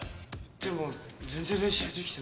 でも全然練習できてないし。